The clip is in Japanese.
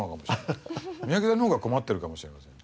三宅さんの方が困ってるかもしれません。